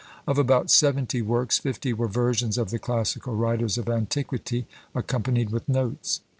Of about seventy works, fifty were versions of the classical writers of antiquity, accompanied with notes.